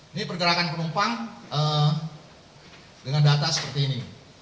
ini pergerakan penumpang dengan data seperti ini